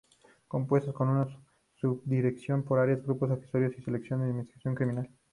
Compuesta con una subdirección, por áreas, grupos asesores y seccionales de investigación criminal.